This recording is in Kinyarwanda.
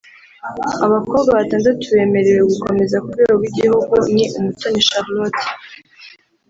Abakobwa batandatu bemerewe gukomeza ku rwego rw’igihugu ni Umutoni Charlotte